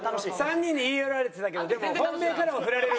３人に言い寄られてたけどでも本命からはフラれる。